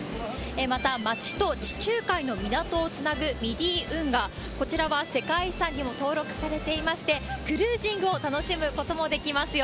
また、町と地中海の港をつなぐミディ運河、こちらは世界遺産にも登録されていまして、クルージングを楽しむこともできますよ。